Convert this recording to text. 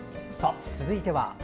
続いては？